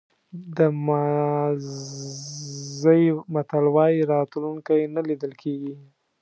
د مازی متل وایي راتلونکی نه لیدل کېږي.